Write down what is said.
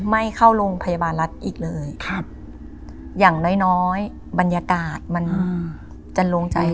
ไม่เข้าโรงพยาบาลรัฐอีกเลยครับอย่างน้อยน้อยบรรยากาศมันจะลงใจ